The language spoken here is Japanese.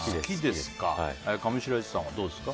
上白石さんはどうですか？